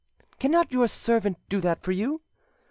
"Cannot your servant do that for you?"